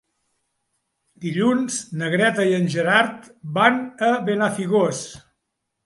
Dilluns na Greta i en Gerard van a Benafigos.